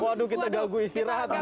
waduh kita ganggu istirahat